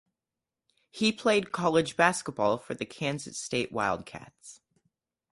He played college basketball for the Kansas State Wildcats.